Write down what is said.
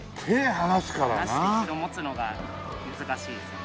離して一度持つのが難しいですね。